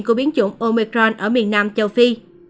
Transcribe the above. của biến chủng omicron ở miền nam châu phi